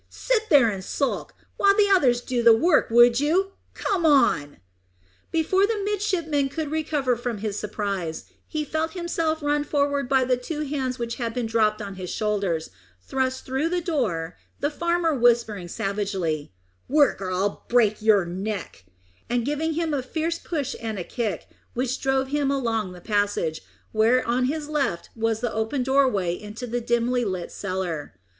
Sit there and skulk, while the others do the work, would you? Come on!" Before the midshipman could recover from his surprise, he felt himself run forward by the two hands which had been dropped on his shoulders, thrust through the door, the farmer whispering savagely, "Work, or I'll break your neck;" and giving him a fierce push and a kick, which drove him along a passage, where on his left was the open doorway into the dimly lit cellar.